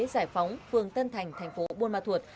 giải phóng phường tân thành tp bun ma thuột